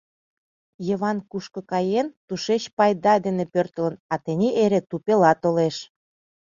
Йыван кушко каен, тушеч пайда дене пӧртылын, а тений эре тупела толеш.